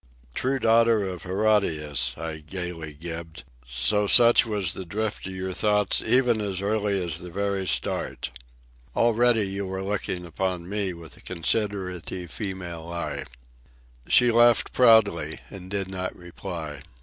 "True daughter of Herodias," I gaily gibed, "so such was the drift of your thoughts even as early as the very start. Already you were looking upon me with a considerative female eye." She laughed proudly, and did not reply.